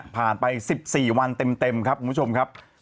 ไป๑๔วันเต็มครับคุณผู้ชมครับ